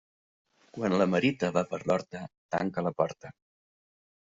Quan la merita va per l'horta, tanca la porta.